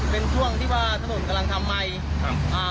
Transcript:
เป็นช่วงที่ทะโน่นกำลังทำใหม่